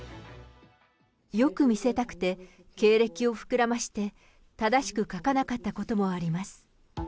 よく見せたくて、経歴を膨らまして、正しく書かなかったこともあります。